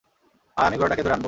আর, আমি ঘোড়াটাকে ধরে আনব!